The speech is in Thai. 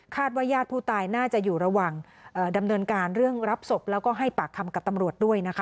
ว่าญาติผู้ตายน่าจะอยู่ระหว่างดำเนินการเรื่องรับศพแล้วก็ให้ปากคำกับตำรวจด้วยนะคะ